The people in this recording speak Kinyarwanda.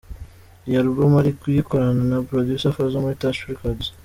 Iyi Album ari kuyikorana na Producer Fazzo muri Touch Recods.